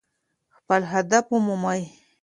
خپل هدف ومومئ.